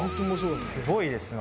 すごいですな。